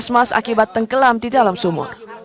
semas akibat tengkelam di dalam sumur